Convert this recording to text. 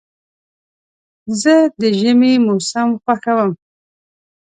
زه د ژمي موسم خوښوم.